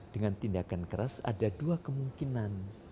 dengan tindakan keras ada dua kemungkinan